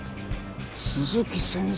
鈴木先生！